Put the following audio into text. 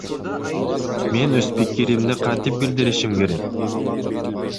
Мен өз пикиримди кантип билдиришим керек?